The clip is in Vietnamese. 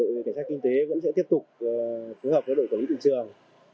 đội cảnh sát kinh tế vẫn sẽ tiếp tục phối hợp với đội quản lý thị trường